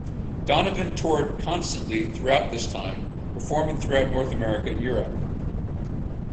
Donovan toured constantly throughout this time, performing throughout North America and Europe.